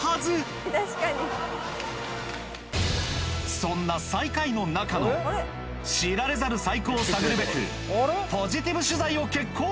そんな最下位の中の知られざる最高を探るべくポジティブ取材を決行！